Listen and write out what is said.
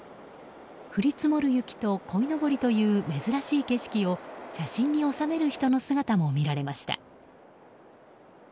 降り積もる雪とこいのぼりという珍しい景色を写真に収める人の姿も見られました。